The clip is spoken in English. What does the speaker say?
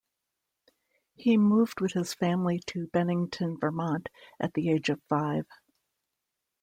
He moved with his family to Bennington, Vermont at the age of five.